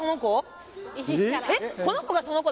この子がその子？